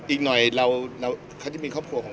อีกหน่อยเขาจะมีครอบครัวของ